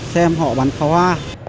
xem họ bắn pháo hoa